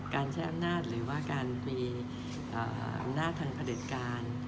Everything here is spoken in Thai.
การใช้อำนาจหรือว่าการมีอำนาจทางพระเด็จการ